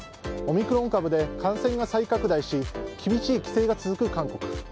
オミクロン株で感染が再拡大し厳しい規制が続く韓国。